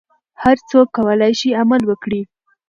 هر څوک کولای شي عمل وکړي.